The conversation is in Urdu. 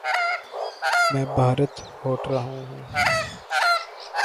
میں بھارت ہوٹ رہا ہوں